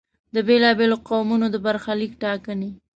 د بېلا بېلو قومونو د برخلیک ټاکنې.